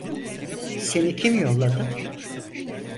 Seni kim yolladı?